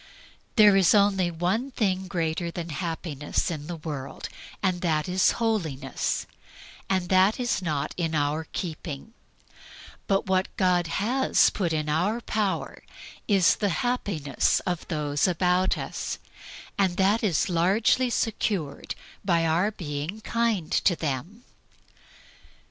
There is only one thing greater than happiness in the world, and that is holiness; and it is not in our keeping; but what God has put in our power is the happiness of those about us, and that is largely to be secured by our being kind to them.